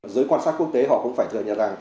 giới quan sát quốc tế họ cũng phải thừa nhận làm